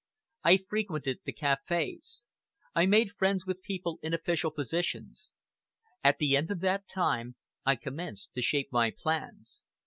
I frequented the cafés, I made friends with people in official positions. At the end of that time, I commenced to shape my plans.